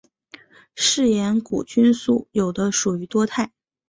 嗜盐古菌素有的属于多肽。